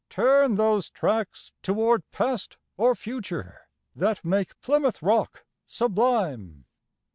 Turn those tracks toward Past or Future, that make Plymouth Rock sublime?